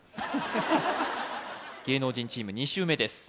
芸能人チーム２周目です